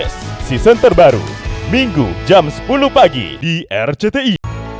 season terbaru minggu jam sepuluh pagi di rcti